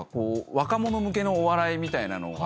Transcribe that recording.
若者向けのお笑いみたいなのが。